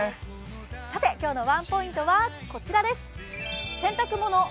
今日のワンポイントはこちらです。